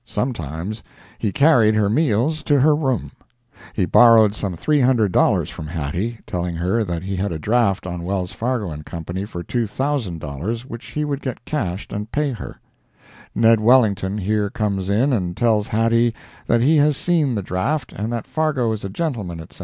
Sometimes he carried her meals to her room. He borrowed some $300 from Hattie, telling her that he had a draft on Wells, Fargo & Co. for $2,000 which he would get cashed and pay her. Ned Wellington here comes in and tells Hattie that he has seen the draft, and that Fargo is a gentleman, etc.